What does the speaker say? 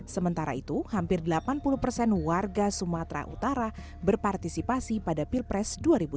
sementara itu hampir delapan puluh persen warga sumatera utara berpartisipasi pada pilpres dua ribu sembilan belas